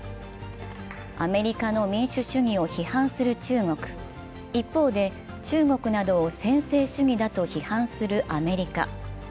アメリカの民主主義を批判する中国、一方で、中国などを専制主義だと批判するアメリカ。